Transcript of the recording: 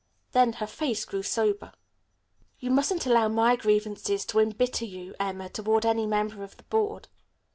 Then her face grew sober. "You mustn't allow my grievances to imbitter you, Emma, toward any member of the Board."